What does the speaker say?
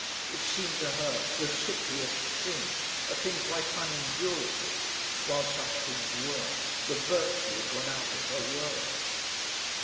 It seemed to her the sickliest thing, a thing quite unendurable. While such things were, the virtue had gone out of her world.